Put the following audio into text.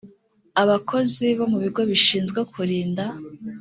abakozi bo mu bigo bishinzwe kurinda